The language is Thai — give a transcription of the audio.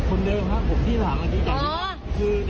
คนเดินคะเหมือนกับผมที่ห่างอันนี้กลับ